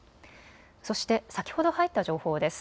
そして、先ほど入った情報です。